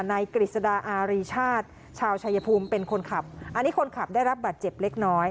กฤษฎาอารีชาติชาวชายภูมิเป็นคนขับอันนี้คนขับได้รับบัตรเจ็บเล็กน้อย